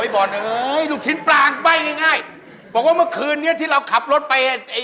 บอกว่าเมื่อคืนนี้ที่เราขับรถไป